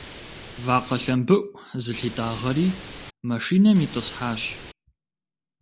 Вакъэ лъэмбыӏу зылъитӏагъэри машинэм итӏысхьащ.